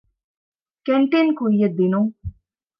ކެންޓީން ކުއްޔަށްދިނުން